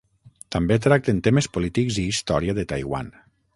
També tracten temes polítics i història de Taiwan.